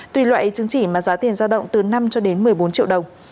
tùy loại chứng chỉ mà giá tiền giao động từ năm cho đến một mươi bốn triệu đồng